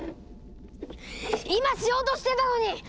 今しようとしてたのに！